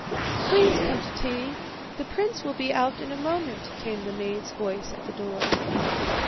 "Please come to tea. The prince will be out in a moment," came the maid's voice at the door.